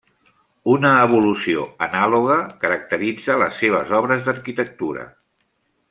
Una evolució anàloga caracteritza les seves obres d'arquitectura.